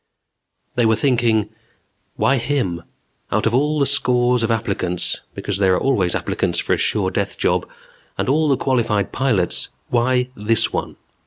They were thinking: Why him? Out of all the scores of applicants because there are always applicants for a sure death job and all the qualified pilots, why this one?